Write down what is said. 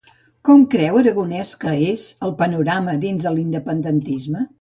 Com creu Aragonès que és el panorama dins l'independentisme?